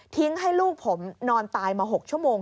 ให้ลูกผมนอนตายมา๖ชั่วโมง